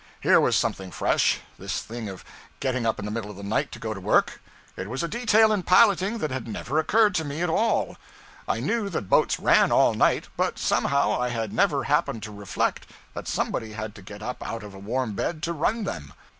Here was something fresh this thing of getting up in the middle of the night to go to work. It was a detail in piloting that had never occurred to me at all. I knew that boats ran all night, but somehow I had never happened to reflect that somebody had to get up out of a warm bed to run them.